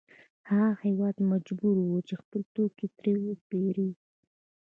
هغه هېواد مجبوروي چې خپل توکي ترې وپېري